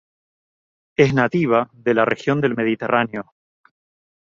Es nativa de la región del Mediterráneo.